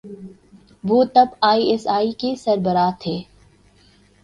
وہ تب I S I کے سربراہ تھے۔